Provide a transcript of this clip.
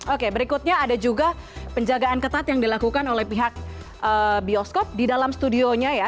oke berikutnya ada juga penjagaan ketat yang dilakukan oleh pihak bioskop di dalam studionya ya